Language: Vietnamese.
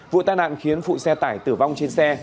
vụ tai nạn khiến phụ xe tải tử vong trên xe